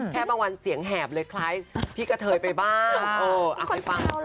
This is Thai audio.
แทบวันเสียงแหบเลยคล้ายพี่กะเถยไปบ้าง